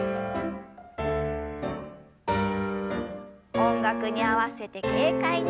音楽に合わせて軽快に。